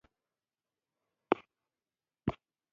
او ما نه دې پټه کړې وه.